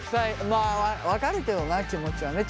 まあ分かるけどな気持ちはね。